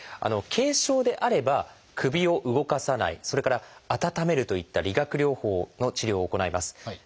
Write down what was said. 軽症であれば首を動かさないそれから温めるといった理学療法の治療を行います。